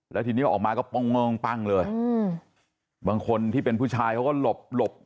แล้วทีนี้ออกมาก็เลยบางคนที่เป็นผู้ชายเขาก็หลบหลบ